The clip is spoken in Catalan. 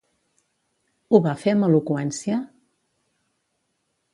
Ho va fer amb eloqüència?